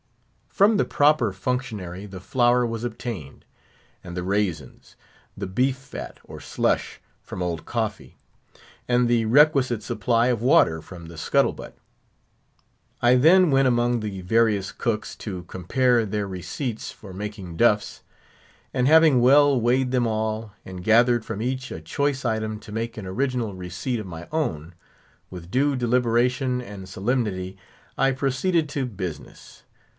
From the proper functionary the flour was obtained, and the raisins; the beef fat, or "slush," from Old Coffee; and the requisite supply of water from the scuttle butt. I then went among the various cooks, to compare their receipts for making "duffs:" and having well weighed them all, and gathered from each a choice item to make an original receipt of my own, with due deliberation and solemnity I proceeded to business.